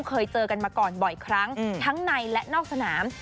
เคยเจอกันมาก่อนบ่อยครั้งทั้งในและนอกสนาม